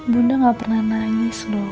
bunda gak pernah nangis dong